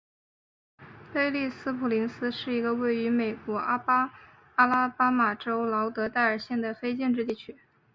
贝利斯普林斯是一个位于美国阿拉巴马州劳德代尔县的非建制地区。